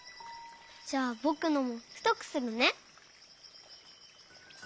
じゃあぼくのもふとくするね。